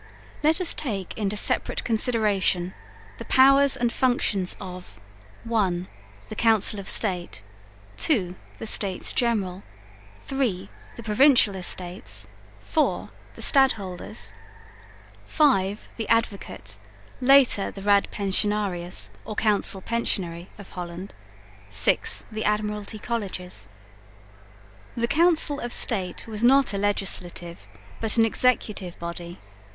Let us take into separate consideration the powers and functions of (1) the Council of State, (2) the States General, (3) the Provincial Estates, (4) the Stadholders, (5) the Advocate (later the Raad Pensionarius or Council Pensionary) of Holland, (6) the Admiralty Colleges. The Council of State was not a legislative, but an executive, body.